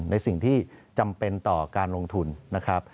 ในสิ่งที่จำเป็นต่อการลงทุนนะครับ